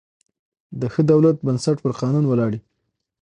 د ښه دولت بنسټ پر قانون ولاړ يي.